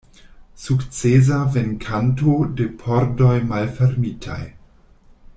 Sukcesa venkanto de pordoj malfermitaj.